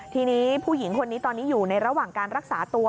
ทีนี้ผู้หญิงคนนี้ตอนนี้อยู่ในระหว่างการรักษาตัว